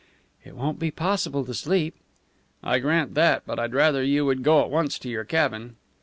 "It won't be possible to sleep." "I grant that, but I'd rather you would go at once to your cabin."